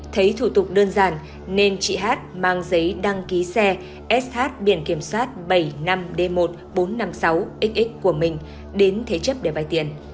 thấy thủ tục đơn giản nên chị hát mang giấy đăng ký xe sh biển kiểm soát bảy mươi năm d một nghìn bốn trăm năm mươi sáu x của mình đến thế chấp để bài tiền